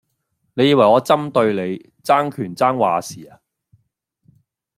你以為我針對你,爭權爭話事呀?